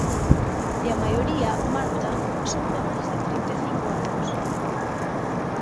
E a maioría, Marta, son menores de trinta e cinco anos.